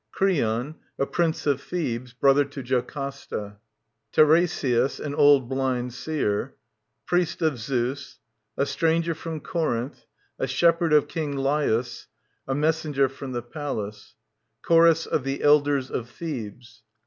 Crbon, a Prince of Thebes, brother tojocasta, TiKBSiAS, an old blind seer, PilEST OF Zsus. A STRANGER/r(7»» Corinti^ A Shbphbrd of King La'ius. A Messenger ^<M» the Palace. Chorus of the Elders of Thebes.